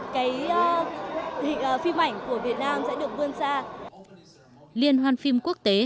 cái phim ảnh của việt nam sẽ được vươn xa